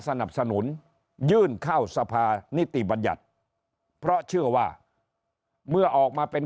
สนับสนุนยื่นเข้าสภานิติบัญญัติเพราะเชื่อว่าเมื่อออกมาเป็น